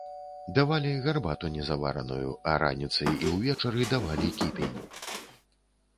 Давалі гарбату незавараную, а раніцай і ўвечары давалі кіпень.